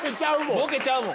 ボケちゃうもん。